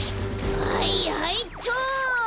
はいはいっちょ！